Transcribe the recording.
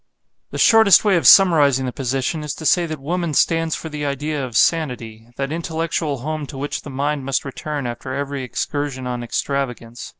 The shortest way of summarizing the position is to say that woman stands for the idea of Sanity; that intellectual home to which the mind must return after every excursion on extravagance.